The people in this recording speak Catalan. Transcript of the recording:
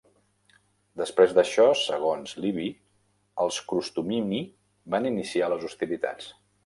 Després d'això, segons Livi, els crustumini van iniciar les hostilitats.